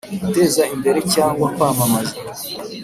guteza imbere cyangwa kwamamaza?